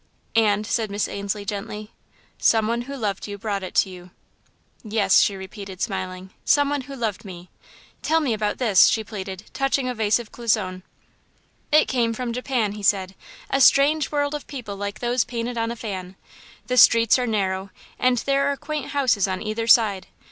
"And " said Miss Ainslie, gently. "Some one who loved you brought it to you." "Yes," she repeated, smiling, "some one who loved me. Tell me about this," she pleaded, touching a vase of Cloisonne. "It came from Japan," he said, "a strange world of people like those painted on a fan. The streets are narrow and there are quaint houses on either side.